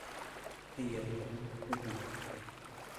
هيا. دعونا نخرج من هنا.